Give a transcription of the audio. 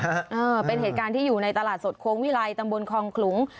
เออเป็นเหตุการณ์ที่อยู่ในตลาดสดโค้งวิลัยตำบลคองขลุง